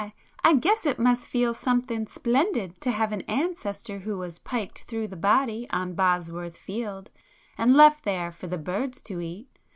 I guess it must feel something splendid to have an ancestor who was piked through the body on Bosworth field, and left there for the birds to eat.